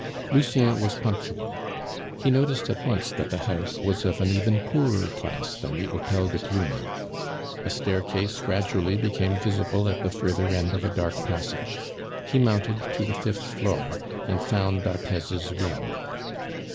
Lucien was punctual. He noticed at once that the house was of an even poorer class than the Hotel de Cluny. A staircase gradually became visible at the further end of a dark passage; he mounted to the fifth floor, and found d'Arthez's room.